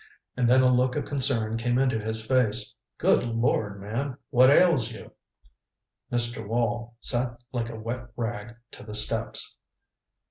And then a look of concern came into his face. "Good lord, man what ails you?" Mr. Wall sank like a wet rag to the steps.